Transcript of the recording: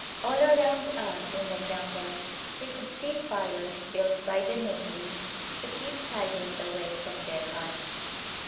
All around us in the jungles we could see iires built by the natives to keep tigers away from their huts.